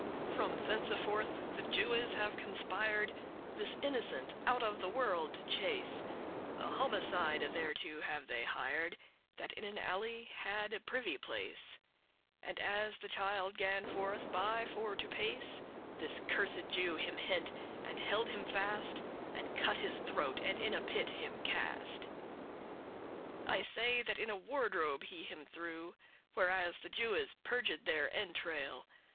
From thenceforth the Jewes have conspired This innocent out of the world to chase; A homicide thereto have they hired, That in an alley had a privy place, And, as the child gan forth by for to pace, This cursed Jew him hent,* and held him fast *seized And cut his throat, and in a pit him cast. I say that in a wardrobe* he him threw, *privy Where as the Jewes purged their entrail.